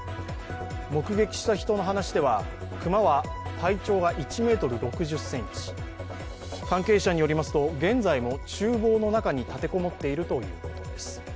目撃した人の話では、熊は体長が１ｍ６０ｃｍ、関係者によりますと現在もちゅう房の中に立て籠もっているということです。